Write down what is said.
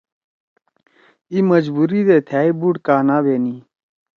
اِی مجبُوری دے تھأ ئے بُوڑ کانا بینی۔